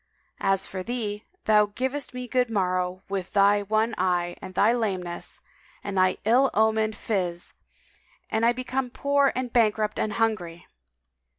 As for thee, thou givest me good morrow with thy one eye and thy lameness and thy ill omened phiz and I become poor and bankrupt and hungry!"